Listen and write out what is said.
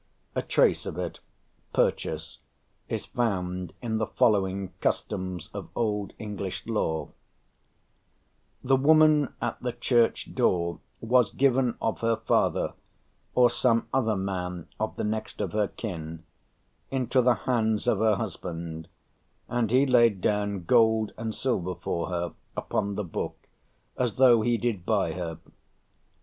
A trace of it [purchase] is found in the following customs of old English law: 'The woman at the church door was given of her father, or some other man of the next of her kin, into the hands of her husband, and he laid down gold and silver for her upon the book, as though he did buy her.'"